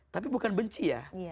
tapi bukan benci ya